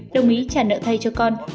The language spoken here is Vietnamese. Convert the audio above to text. đồng ý trả nợ thay cho con